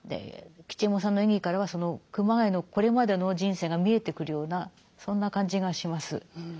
吉右衛門さんの演技からはその熊谷のこれまでの人生が見えてくるようなそんな感じがします。